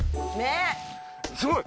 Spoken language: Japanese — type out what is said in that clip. すごい！